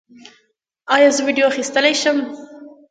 ایا زه ویډیو اخیستلی شم؟